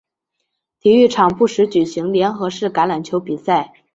体育场不时举行联合式橄榄球比赛。